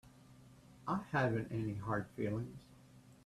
I haven't any hard feelings.